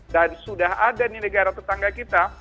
dan sudah ada di negara tetangga kita